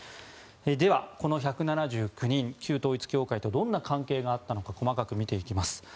では、この１７９人旧統一教会とどんな関係があったのか細かく見ていきます。